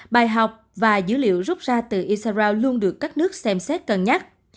bài học và dữ liệu rút ra từ isarao luôn được các nước xem xét cân nhắc